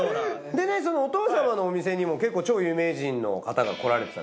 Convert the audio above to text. でねそのお父様のお店にも結構超有名人の方が来られてた。